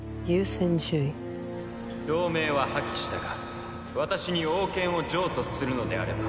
同盟は破棄したが私に王権を譲渡するのであれば。